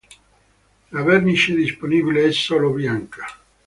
La vernice disponibile è solo bianca.